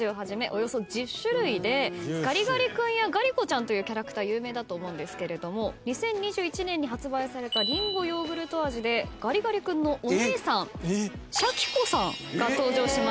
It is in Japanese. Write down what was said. およそ１０種類でガリガリ君やガリ子ちゃんというキャラクター有名だと思いますが２０２１年に発売されたりんごヨーグルト味でガリガリ君のお姉さんシャキ子さんが登場しました。